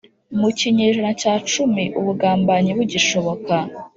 mu kinyejana cya cumi ubugambanyi bugishoboka.